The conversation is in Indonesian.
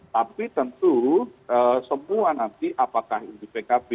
tapi tentu semua nanti apakah ini pkp